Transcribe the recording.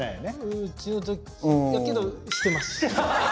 うちの時けどしてます。